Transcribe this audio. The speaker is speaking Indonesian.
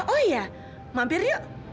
oh iya mampir yuk